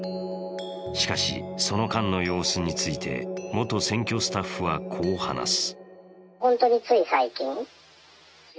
しかし、その間の様子について元選挙スタッフはこう話す。